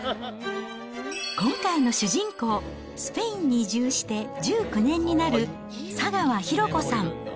今回の主人公、スペインに移住して１９年になる佐川拓子さん。